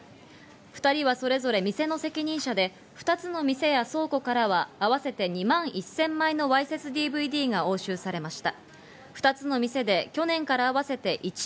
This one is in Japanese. ２人はそれぞれ店の責任者で２つの店や倉庫からは合わせて２万１０００枚のわいせつＤＶＤが押収されました。